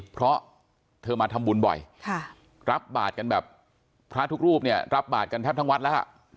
เพราะเธอมาทำบุญบ่อยรับบาทกันแบบพระทุกรูปเนี่ยรับบาทกันแทบทั้งวัดแล้วล่ะ